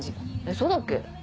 そうだっけ？